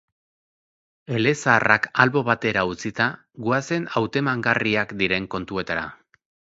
Elezaharrak albo batera utzita, goazen hautemangarriak diren kontuetara.